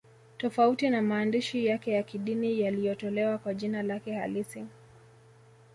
Tofauti na maandishi yake ya kidini yaliyotolewa kwa jina lake halisi